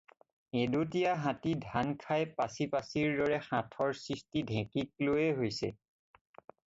‘এদঁতীয়া হাতী, ধান খায় পাচি পাচি’ৰ দৰে সাঁথৰৰ সৃষ্টি ঢেঁকীক লৈয়েই হৈছে।